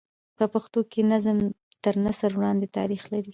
په پښتو کښي نظم تر نثر وړاندي تاریخ لري.